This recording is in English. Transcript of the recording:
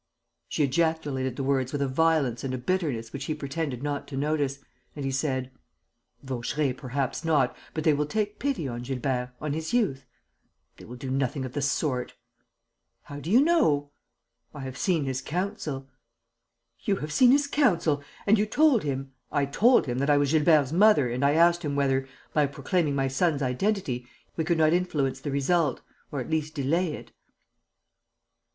She ejaculated the words with a violence and a bitterness which he pretended not to notice; and he said: "Vaucheray perhaps not.... But they will take pity on Gilbert, on his youth...." "They will do nothing of the sort." "How do you know?" "I have seen his counsel." "You have seen his counsel! And you told him...." "I told him that I was Gilbert's mother and I asked him whether, by proclaiming my son's identity, we could not influence the result ... or at least delay it."